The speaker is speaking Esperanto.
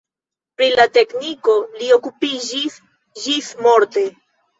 Pri la tekniko li okupiĝis ĝismorte.